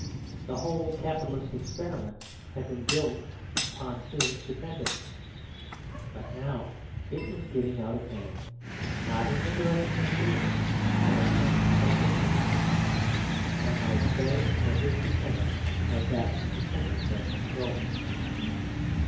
The whole capitalist experiment had been built on his dependence; but now it was getting out of hand, not in the direction of freedom, but of frank helplessness. One might say that his dependence had got independent of control.